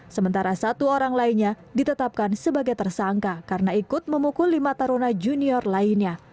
sementara satu orang lainnya ditetapkan sebagai tersangka karena ikut memukul lima taruna junior lainnya